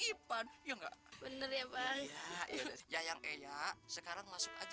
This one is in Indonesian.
ipan ya enggak bener ya bang ya yang kayak sekarang masuk aja ke dalam ya